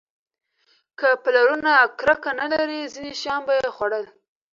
که پلرونه کرکه نه لرله، ځینې شیان به یې خوړل.